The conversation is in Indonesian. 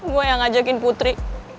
gue yang ngajakin putri